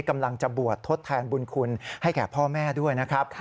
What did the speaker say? กำลังจะบวชทดแทนบุญคุณให้แก่พ่อแม่ด้วยนะครับ